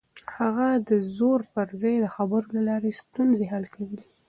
هغه د زور پر ځای د خبرو له لارې ستونزې حل کولې.